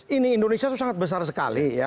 ini indonesia itu sangat besar sekali ya